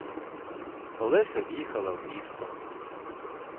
Олеся в'їхала в місто.